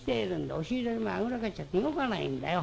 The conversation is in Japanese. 押し入れの前あぐらかいちゃって動かないんだよ。